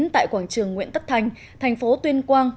tại quảng trường nguyễn tất thành thành phố tuyên quang